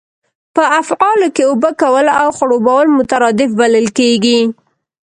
په افعالو کښي اوبه کول او خړوبول مترادف بلل کیږي.